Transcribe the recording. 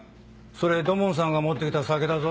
それ土門さんが持ってきた酒だぞ。